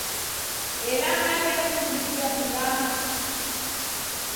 Ela hali yaw'iachurikia kuzama.